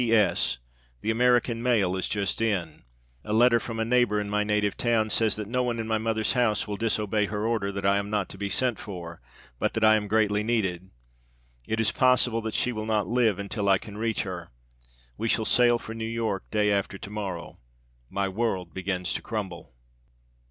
P.S. The American mail is just in. A letter from a neighbor in my native town says that no one in my mother's house will disobey her order that I am not to be sent for, but that I am greatly needed. It is possible that she will not live until I can reach her. We shall sail for New York day after to morrow. My world begins to crumble.